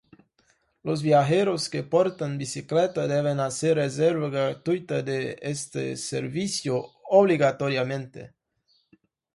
Los viajeros que porten bicicleta deben hacer reserva gratuita de este servicio obligatoriamente.